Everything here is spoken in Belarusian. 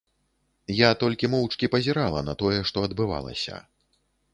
Я толькі моўчкі пазірала на тое, што адбывалася.